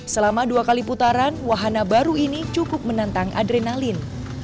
selama dua kali putaran wahana baru ini cukup menantang adrenalin